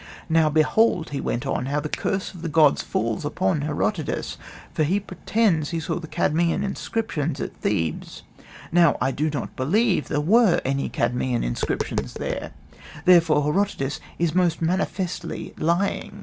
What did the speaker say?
'Now behold,' he went on, 'how the curse of the Gods falls upon Herodotus. For he pretends that he saw Cadmeian inscriptions at Thebes. Now I do not believe there were any Cadmeian inscriptions there: therefore Herodotus is most manifestly lying.